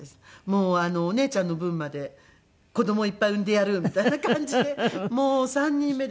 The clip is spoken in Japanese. もうお姉ちゃんの分まで子供いっぱい産んでやるみたいな感じでもう３人目で。